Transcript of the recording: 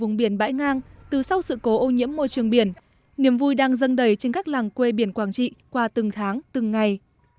vùng biển bãi ngang từ sau sự cố ô nhiễm môi trường biển niềm vui đang dâng đầy trên các làng quê biển quảng trị qua từng tháng từng ngày